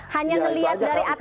hanya ngelihat dari atas aja ya